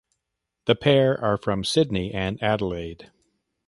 The pair are from Sydney and Adelaide.